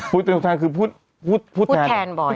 พูดเป็นตัวแทนคือพูดแทน